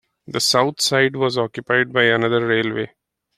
The south side was occupied by another railway.